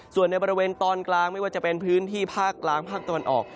ส่วนในบริเวณตอนกลางไม่ว่าจะเป็นพื้นที่ภาคกลางภาคตะวันออก